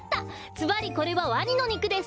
ずばりこれはワニのにくです。